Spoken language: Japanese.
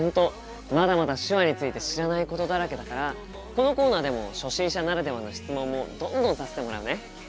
まだまだ手話について知らないことだらけだからこのコーナーでも初心者ならではの質問もどんどんさせてもらうね。